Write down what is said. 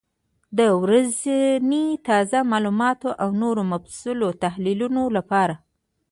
د ورځني تازه معلوماتو او نورو مفصلو تحلیلونو لپاره،